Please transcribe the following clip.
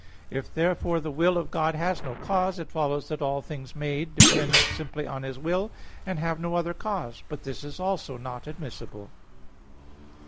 If, therefore, the will of God has no cause, it follows that all things made depend simply on His will, and have no other cause. But this also is not admissible.